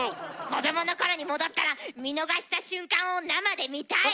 子どもの頃に戻ったら見逃した瞬間を生で見たい！